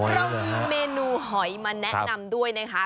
เรามีเมนูหอยมาแนะนำด้วยนะคะ